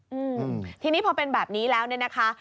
อืมทีนี้พอเป็นแบบนี้แล้วเนี่ยนะคะ